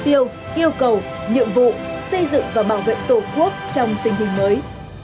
nhiều công an nhân dân tiếp tục thực hiện thắng lợi mục tiêu yêu cầu nhiệm vụ xây dựng và bảo vệ tổ quốc trong tình hình mới